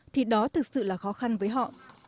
thì đó thực sự là khó khăn với họ